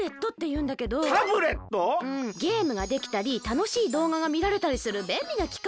うんゲームができたりたのしいどうががみられたりするべんりなきかいなの。